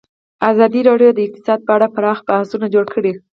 ازادي راډیو د اقتصاد په اړه پراخ بحثونه جوړ کړي.